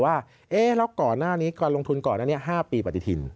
ว่าแล้วก่อนหน้านี้การลงทุนก่อนอันนี้๕ปีปฏิทิน